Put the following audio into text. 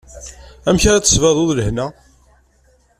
Amek ara d-tesbaduḍ lehna?